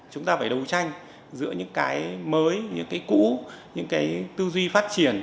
chúng ta phải đấu tranh giữa những cái mới những cái cũ những cái tư duy phát triển